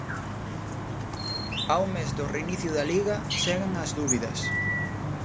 A un mes do reinicio da Liga, seguen as dúbidas.